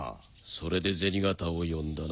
それで銭形を呼んだな？